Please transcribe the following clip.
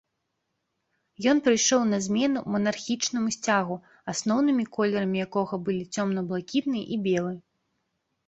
Ён прыйшоў на змену манархічнаму сцягу, асноўнымі колерамі якога былі цёмна-блакітны і белы.